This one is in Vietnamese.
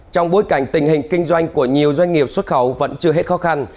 trong bối cảnh tình hình kinh doanh của nhiều doanh nghiệp xuất khẩu vẫn chưa hết khó khăn